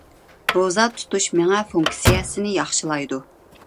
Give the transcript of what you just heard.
روزا تۇتۇش مېڭە فۇنكسىيەسىنى ياخشىلايدۇ.